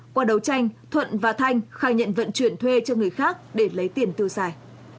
qua đấu tranh thuận và thanh khai nhận vận chuyển thuê cho người khác để lấy tiền tiêu xài